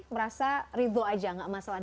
merasa ridho aja gak masalah